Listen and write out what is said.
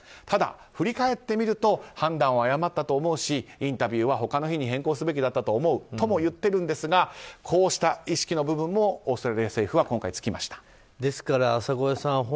ただ、振り返ってみると判断を誤ったと思うしインタビューは他の日に変更すべきだったとも思うといっているんですがこうした意識の部分もオーストラリア政府は浅越さん。